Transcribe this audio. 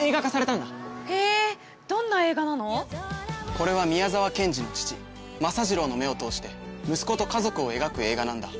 これは宮沢賢治の父・政次郎の目を通して息子と家族を描く映画なんだ。